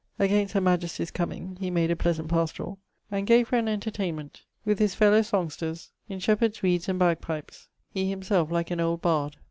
Against her majestie's comeing, he made a pleasant pastorall, and gave her an entertaynment with his fellow songsters in shepherds' weeds and bagpipes, he himself like an old bard.